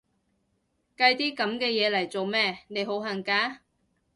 計啲噉嘅嘢嚟做咩？，你好恨嫁？